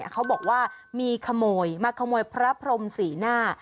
เขาบอกว่ามีขโมยมาขโมยพระพรมสีหน้า